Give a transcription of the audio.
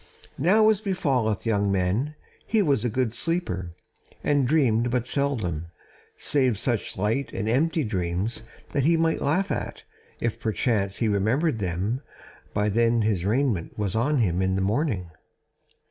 Now as befalleth young men, he was a good sleeper, and dreamed but seldom, save such light and empty dreams as he might laugh at, if perchance he remembered them by then his raiment was on him in the morning.